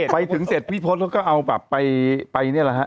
ไปถึงเสร็จพี่พศเขาก็เอาแบบไปนี่แหละฮะ